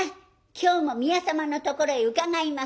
今日も宮様のところへ伺います」。